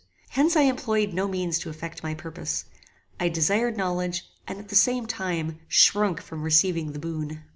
Hence I employed no means to effect my purpose. I desired knowledge, and, at the same time, shrunk back from receiving the boon.